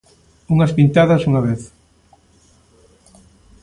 Unhas pintadas unha vez.